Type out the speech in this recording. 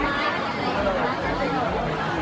การรับความรักมันเป็นอย่างไร